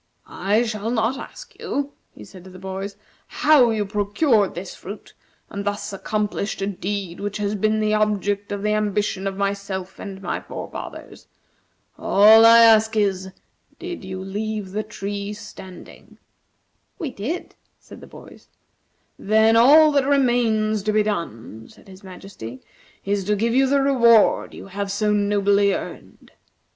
"I shall not ask you," he said to the boys, "how you procured this fruit, and thus accomplished a deed which has been the object of the ambition of myself and my forefathers. All I ask is, did you leave the tree standing?" "We did," said the boys. "Then all that remains to be done," said His Majesty, "is to give you the reward you have so nobly earned.